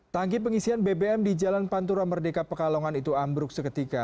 tangki pengisian bbm di jalan pantura merdeka pekalongan itu ambruk seketika